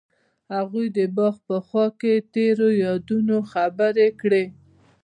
هغوی د باغ په خوا کې تیرو یادونو خبرې کړې.